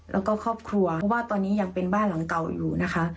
แล้วก็ครอบครัวเพราะว่าตอนนี้ยังเป็นบ้านหลังเก่าอยู่นะคะ